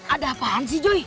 ada apaan sih joy